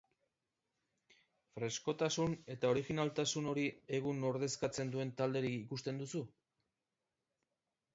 Freskotasun eta originaltasun hori egun ordezkatzen duen talderik ikusten duzu?